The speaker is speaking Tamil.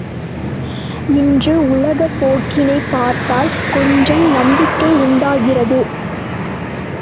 இன்று உலகப் போக்கினைப் பார்த்தால் கொஞ்சம் நம்பிக்கை உண்டாகிறது.